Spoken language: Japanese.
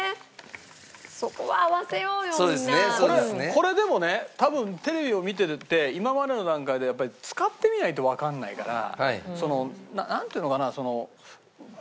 これでもね多分テレビを見てて今までの段階でやっぱり使ってみないとわかんないからなんていうのかな難しいんだよね。